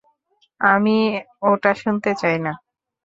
আমি ওটা শুনতে চাই না।